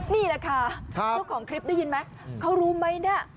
นี่แหละค่ะเจ้าของคลิปได้ยินไหมเขารู้ไหมเนี่ย